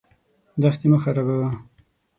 دښتې مه خرابوه.